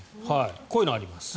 こういうのがあります。